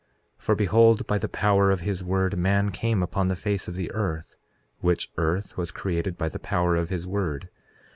4:9 For behold, by the power of his word man came upon the face of the earth, which earth was created by the power of his word.